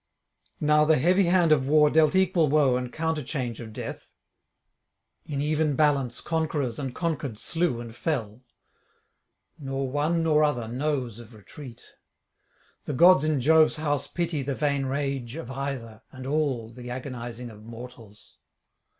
Now the heavy hand of war dealt equal woe and counterchange of death; in even balance conquerors and conquered slew and fell; nor one nor other knows of retreat. The gods in Jove's house pity the vain rage of either and all the agonising of mortals.